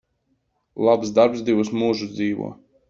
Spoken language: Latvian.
Labs darbs divus mūžus dzīvo.